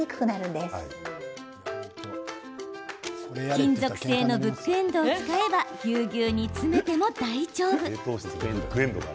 金属製のブックエンドを使えばぎゅうぎゅうに詰めても大丈夫。